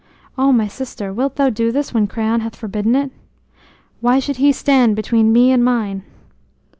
"O my sister, wilt thou do this when Creon hath forbidden it?" "Why should he stand between me and mine?"